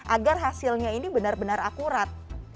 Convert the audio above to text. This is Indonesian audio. agar hasilnya ini benar benar akurat